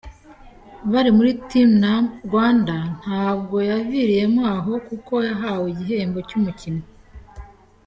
bari muri Team Rwanda, ntabwo yaviriyemo aho kuko yahawe igihembo cy’umukinnyi